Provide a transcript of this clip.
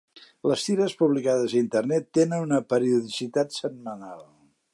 Les tires publicades a internet tenen una periodicitat setmanal.